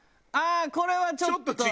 ああこれはちょっと。